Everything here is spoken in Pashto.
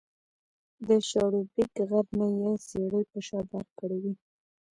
د شاړوبېک غر نه یې څېړۍ په شا بار کړې وې